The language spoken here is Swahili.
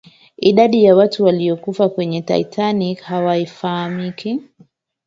idadi ya watu waliyokufa kwenye titanic haifahamiki